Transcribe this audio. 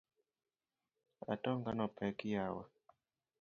Atonga no pek yawa.